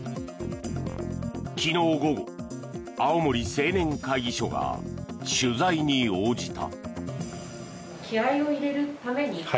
昨日午後、青森青年会議所が取材に応じた。